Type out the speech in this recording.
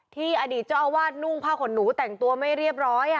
อดีตเจ้าอาวาสนุ่งผ้าขนหนูแต่งตัวไม่เรียบร้อย